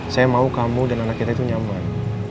saya mau kamu dan anak kita itu nyaman